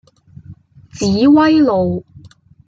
紫葳路